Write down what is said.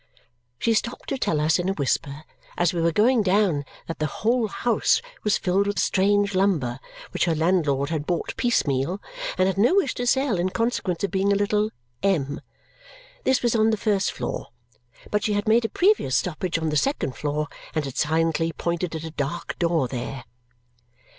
She stopped to tell us in a whisper as we were going down that the whole house was filled with strange lumber which her landlord had bought piecemeal and had no wish to sell, in consequence of being a little M. This was on the first floor. But she had made a previous stoppage on the second floor and had silently pointed at a dark door there.